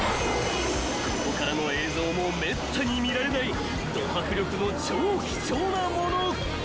［ここからの映像もめったに見られないど迫力の超貴重なもの］